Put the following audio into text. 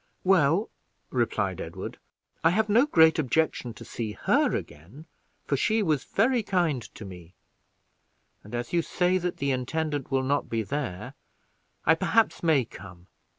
"Well," replied Edward, "I have no great objection to see her again, for she was very kind to me; and as you say that the intendant will not be there, I perhaps may come.